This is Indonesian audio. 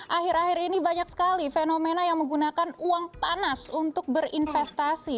akhir akhir ini banyak sekali fenomena yang menggunakan uang panas untuk berinvestasi